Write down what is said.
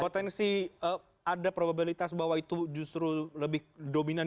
potensi ada probabilitas bahwa itu justru lebih dominan